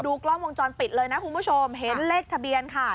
กล้องวงจรปิดเลยนะคุณผู้ชมเห็นเลขทะเบียนค่ะ